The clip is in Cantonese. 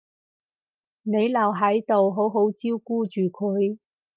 你留喺度好好照顧住佢